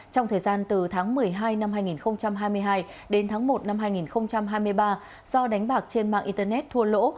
trong thời gian từ tháng một mươi hai năm hai nghìn hai mươi hai đến tháng một năm hai nghìn hai mươi ba do đánh bạc trên mạng internet thua lỗ